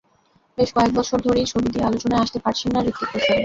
বেশ কয়েক বছর ধরেই ছবি দিয়ে আলোচনায় আসতে পারছেন না হৃতিক রোশন।